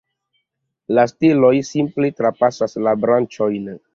La steloj simple trapasas la branĉojn.